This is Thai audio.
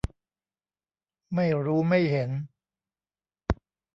ไม่รู้ไม่เห็น